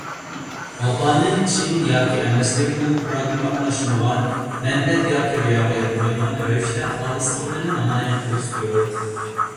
ۋاپانىڭ چىن ياكى ئەمەسلىكىمۇ پىراگماتلاشمىغان، مەنپەئەت ياكى رىياغا ياتمايدىغان رەۋىشتە خالىسلىقىنى نامايان قېلىشى زۆرۈر.